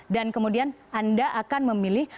dan kemudian anda akan memilih